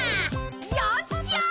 よっしゃ！